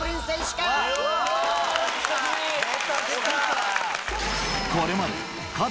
出た出た。